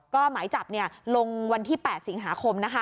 ก็หมายจับลงวันที่๘สิงหาคมนะคะ